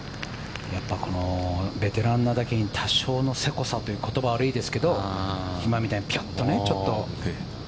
やっぱりベテランなだけに多少のせこさという言葉は悪いですけど今みたいにね。